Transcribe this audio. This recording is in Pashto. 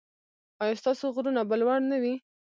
ایا ستاسو غرونه به لوړ نه وي؟